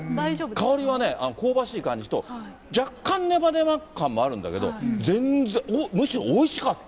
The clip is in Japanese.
香りはね、香ばしい感じと、若干、ねばねば感もあるんだけど、全然、むしろおいしかった。